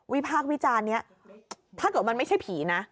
พากษ์วิจารณ์นี้ถ้าเกิดมันไม่ใช่ผีนะ